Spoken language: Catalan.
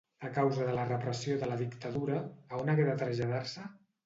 A causa de la repressió de la dictadura, a on hagué de traslladar-se?